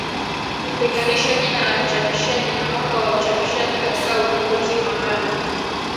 Kutenganisha jina la mchapishaji na mwaka wa uchapishaji katika udondozi mabano